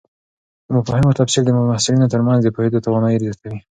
د مفاهیمو تفصیل د محصلینو تر منځ د پوهېدو توانایي زیاتوي.